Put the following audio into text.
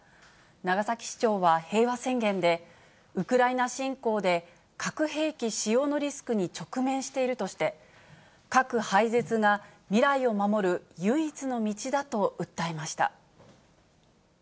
長崎市長は平和宣言で、ウクライナ侵攻で核兵器使用のリスクに直面しているとして、核廃絶が未来を守る唯一の道だと訴えました。